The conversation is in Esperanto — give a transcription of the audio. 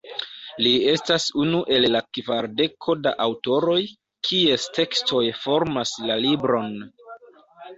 Li estas unu el la kvardeko da aŭtoroj, kies tekstoj formas la libron.